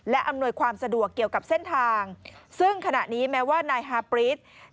และอำนวยความสะดวกเกี่ยวกับเส้นทางซึ่งขณะนี้แม้ว่านายฮาปริศ